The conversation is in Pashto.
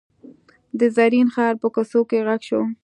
د زرین ښار په کوڅو کې غږ شو.